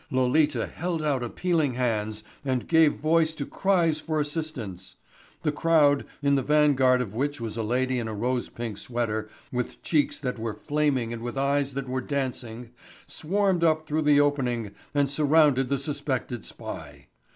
Lolita held out appealing hands and gave voice to cries for assistance. The crowd, in the vanguard of which was a lady in a rose pink sweater with cheeks that were flaming and with eyes that were dancing, swarmed up through the opening and surrounded the suspected spy.